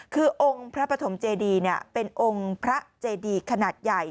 คือองค์พระปฐมเจดีเป็นองค์พระเจดีขนาดใหญ่